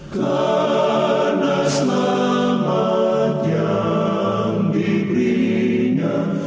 karena selamat yang diberinya